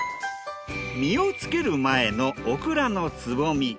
実をつける前のオクラのつぼみ。